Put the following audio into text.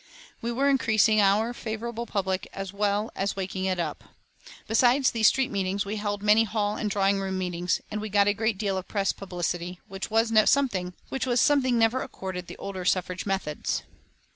We were increasing our favourable public as well as waking it up. Besides these street meetings, we held many hall and drawing room meetings, and we got a great deal of press publicity, which was something never accorded the older suffrage methods.